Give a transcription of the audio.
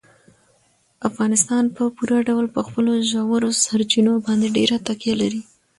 افغانستان په پوره ډول په خپلو ژورو سرچینو باندې ډېره تکیه لري.